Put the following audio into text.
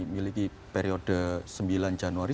miliki periode sembilan januari